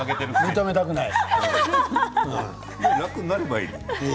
認めたくない。